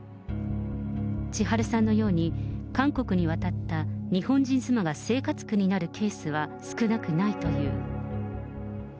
ちはるさんのように、韓国に渡った日本人妻が生活苦になるケースは少なくないという。